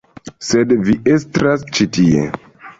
Sed Vi estras ĉi tie.